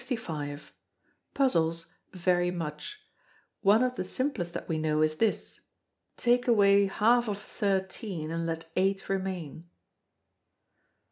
Puzzles vary much. One of the simplest that we know is this: Take away half of thirteen and let eight remain.